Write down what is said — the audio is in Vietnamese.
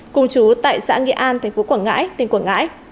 cùng chú tại xã nghị an tp quảng ngãi tp quảng ngãi